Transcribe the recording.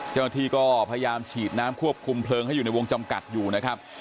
เจ้าหน้าที่ก็พยายามฉีดน้ำควบคุมเพลิงให้อยู่ในวงจำกัดอยู่นะครับ